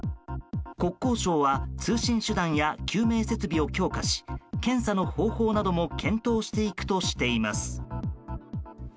国交省は通信手段や救命設備を強化し検査の方法なども検討していくとしています。